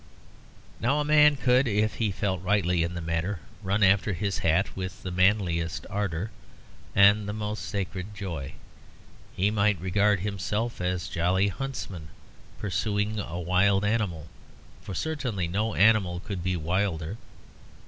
Now a man could, if he felt rightly in the matter, run after his hat with the manliest ardour and the most sacred joy. He might regard himself as a jolly huntsman pursuing a wild animal, for certainly no animal could be wilder.